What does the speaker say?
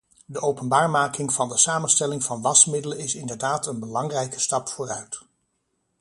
De openbaarmaking van de samenstelling van wasmiddelen is inderdaad een belangrijke stap vooruit.